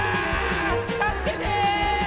たすけて！」。